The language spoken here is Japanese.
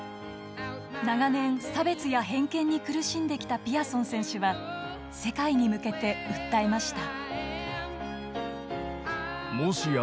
長年、差別や偏見に苦しんできたピアソン選手は世界に向けて訴えました。